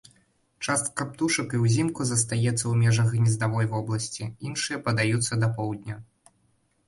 Частка птушак і ўзімку застаецца ў межах гнездавой вобласці, іншыя падаюцца да поўдня.